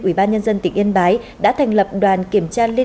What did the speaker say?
ủy ban nhân dân tỉnh yên bái đã thành lập đoàn kiểm tra liên